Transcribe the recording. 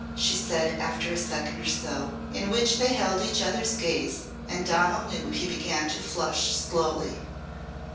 she said after a second or so in which they held each other's gaze and Donal knew he began to flush slowly.